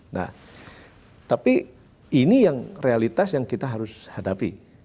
nah tapi ini yang realitas yang kita harus hadapi